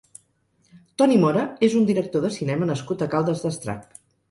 Toni Mora és un director de cinema nascut a Caldes d'Estrac.